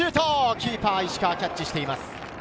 キーパー・石川がキャッチしています。